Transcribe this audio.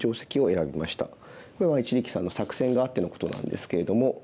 これは一力さんの作戦があってのことなんですけれども。